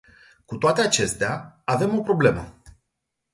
Cu toate acestea, avem o problemă.